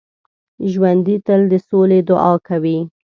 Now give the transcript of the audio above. ژوندي تل د سولې دعا کوي